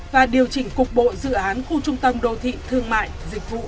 và điều chỉnh cục bộ dự án khu trung tâm đô thị thương mại dịch vụ